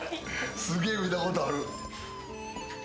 すげえ見たことある。